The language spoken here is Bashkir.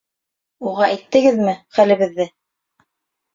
Уға әйттегеҙме хәлебеҙҙе?